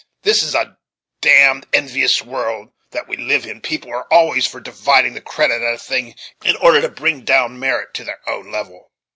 This is a damned envious world that we live in people are always for dividing the credit at a thing, in order to bring down merit to their own level.